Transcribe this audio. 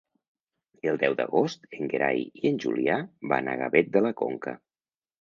El deu d'agost en Gerai i en Julià van a Gavet de la Conca.